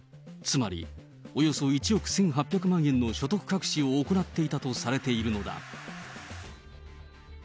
つまりおよそ１億１８００万円の所得隠しを行っていたとされているのだ。